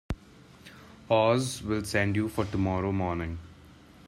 Oz will send for you tomorrow morning.